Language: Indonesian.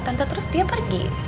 tante terus dia pergi